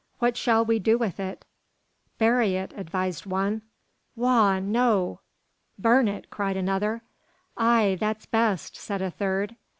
What shall we do with it?" "Bury it," advised one. "Wagh! no. Burn it!" cried another. "Ay, that's best," said a third.